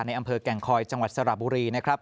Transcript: อำเภอแก่งคอยจังหวัดสระบุรีนะครับ